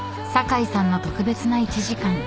［堺さんの特別な１時間］